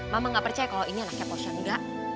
mama gak percaya kalau ini anaknya posya enggak